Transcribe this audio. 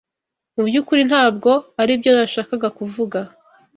Mu byukuri ntabwo aribyo nashakaga kuvuga.